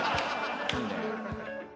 いいね。